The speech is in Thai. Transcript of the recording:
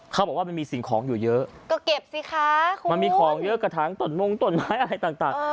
เขาบอกว่ามันมีสิ่งของอยู่เยอะก็เก็บสิคะมันมีของเยอะกระถางตนมงตนไม้อะไรต่าง